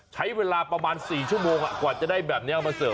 ใช้เวลาประมาณ๔ชั่วโมงกว่าจะได้แบบนี้เอามาเสิร์ฟ